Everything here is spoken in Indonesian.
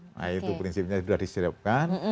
nah itu prinsipnya sudah disiapkan